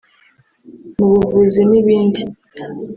mu buvuzi n’ibindi